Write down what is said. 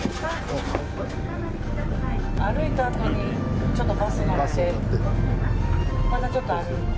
歩いたあとにちょっとバスに乗ってまたちょっと歩いて。